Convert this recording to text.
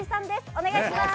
お願いします。